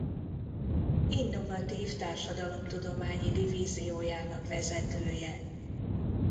Innovatív társadalomtudományi divíziójának vezetője.